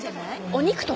お肉とか？